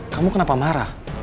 kamu kenapa marah